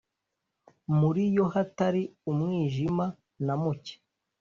muri yo hatari umwijima na muke